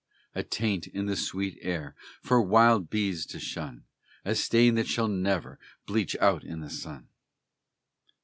A taint in the sweet air For wild bees to shun! A stain that shall never Bleach out in the sun!